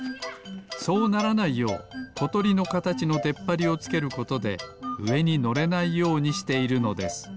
そうならないようことりのかたちのでっぱりをつけることでうえにのれないようにしているのです。